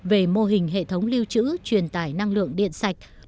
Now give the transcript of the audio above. về mô hình hệ thống lưu trữ truyền tải năng lượng điện sạch